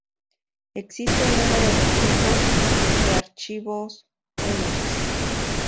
Existe un número de tipos de archivos Unix.